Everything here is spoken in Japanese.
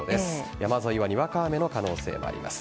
山沿いはにわか雨の可能性があります。